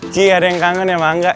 ci ada yang kangen ya mangga